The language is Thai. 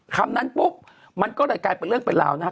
คำนั้นปุ๊บมันก็เลยกลายเป็นเรื่องเป็นราวนะครับ